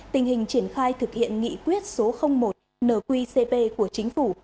tình hình triển khai thực hiện nghị quyết số một nqcp của chính phủ